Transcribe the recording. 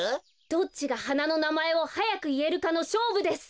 どっちがはなのなまえをはやくいえるかのしょうぶです。